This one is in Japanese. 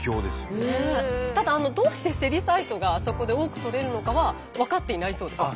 ただどうしてセリサイトがあそこで多く採れるのかは分かっていないそうです。